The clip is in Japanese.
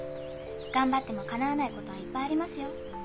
頑張ってもかなわないことはいっぱいありますよ。